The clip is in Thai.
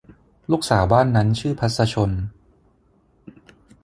ลูกสาวบ้านนั้นชื่อพรรษชล